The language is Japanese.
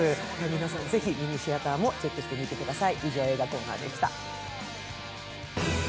皆さん、ぜひミニシアターもチェックしてみてください。